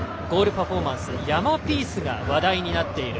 パフォーマンス山ピースが話題になっている。